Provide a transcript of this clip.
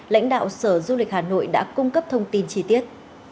lãnh đạo sở du lịch hà nội đã cung cấp thông tin chi tiết